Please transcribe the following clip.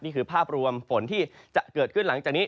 นี่คือภาพรวมฝนที่จะเกิดขึ้นหลังจากนี้